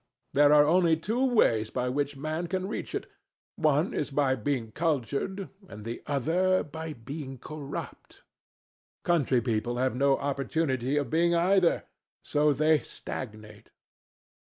There are only two ways by which man can reach it. One is by being cultured, the other by being corrupt. Country people have no opportunity of being either, so they stagnate."